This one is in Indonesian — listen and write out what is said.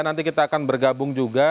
nanti kita akan bergabung juga